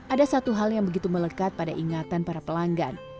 ada satu hal yang begitu melekat pada ingatan para pelanggan